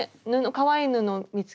かわいい布見つけて。